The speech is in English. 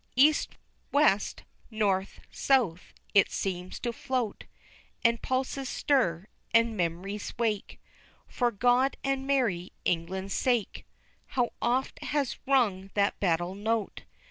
_ East, West, North, South, it seems to float, And pulses stir, and mem'ries wake, "For God and merrie England's sake," How oft has rung that battle note!